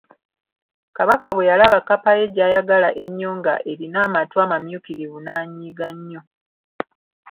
Kabaka bwe yalaba kkapa ye gy'ayagala ennyo nga erina amatu amamyukirivu n'anyiiga nnyo.